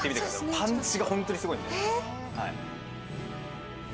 パンチがホントにすごいんで。